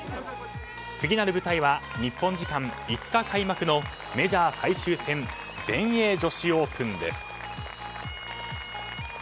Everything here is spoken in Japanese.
次なる舞台は日本時間５日開幕のメジャー最終戦全英女子オープンです。